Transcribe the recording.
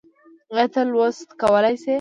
ايا ته لوستل کولی شې؟